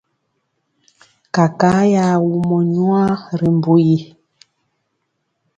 Kakaa ya wumɔ nwaa ri mbu yi.